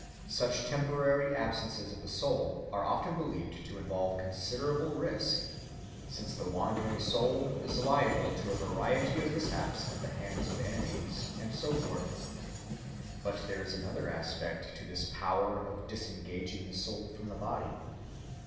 Such temporary absences of the soul are often believed to involve considerable risk, since the wandering soul is liable to a variety of mishaps at the hands of enemies, and so forth. But there is another aspect to this power of disengaging the soul from the body.